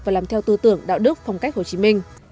và làm theo tư tưởng đạo đức phong cách hồ chí minh